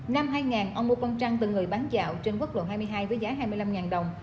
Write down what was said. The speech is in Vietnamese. năm hai nghìn ông mua con trâu từ người bán dạo trên quốc lộ hai mươi hai với giá hai mươi năm đồng